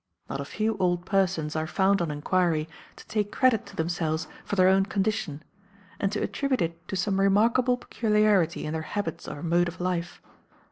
Not a few old persons are found on inquiry to take credit to themselves for their own condition, and to attribute it to some remarkable peculiarity in their habits or mode of life.